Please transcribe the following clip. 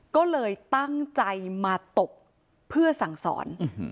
ก็เลยตั้งใจมาตบเพื่อสั่งสอน